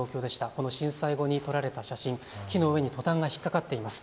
この震災後に撮られた写真、木の上にトタンが引っ掛かっています。